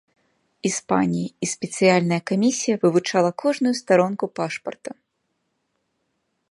Іспаніі, і спецыяльная камісія вывучала кожную старонку пашпарта.